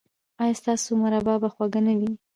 ایا ستاسو مربا به خوږه نه وي؟